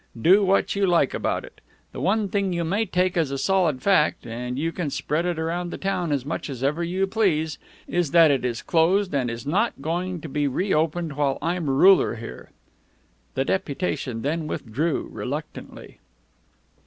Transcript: Do what you like about it. The one thing you may take as a solid fact and you can spread it around the town as much as ever you please is that it is closed, and is not going to be reopened while I'm ruler here." The deputation then withdrew, reluctantly.